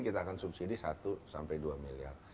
kita akan subsidi satu sampai dua miliar